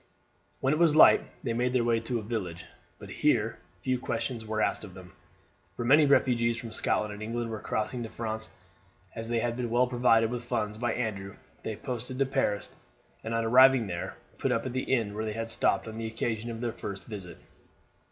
When it was light they made their way to a village; here but few questions were asked them, for many refugees from Scotland and England were crossing to France. As they had been well provided with funds by Andrew they posted to Paris, and on arriving there put up at the inn where they had stopped on the occasion of their first visit.